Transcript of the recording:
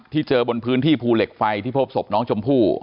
เจอบนพื้นที่ภูเหล็กไฟที่พบศพน้องชมพู่